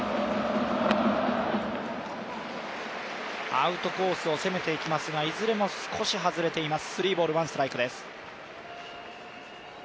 アウトコースを攻めていきますが、いずれも少し外れています。